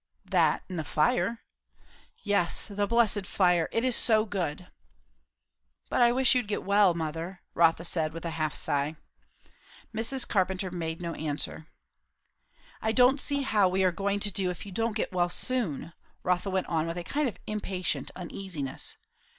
"That and the fire." "Yes; the blessed fire! It is so good!" "But I wish you'd get well, mother!" Rotha said with a half sigh. Mrs. Carpenter made no answer. "I don't see how we are going to do, if you don't get well soon," Rotha went on with a kind of impatient uneasiness.